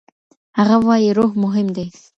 هغه وايي روح مهم دی.